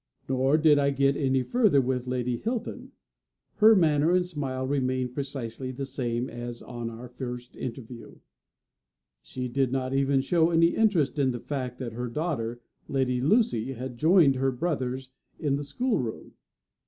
Nor did I get any further with Lady Hilton. Her manner and smile remained precisely the same as on our first interview. She did not even show any interest in the fact that her daughter, Lady Lucy, had joined her brothers in the schoolroom.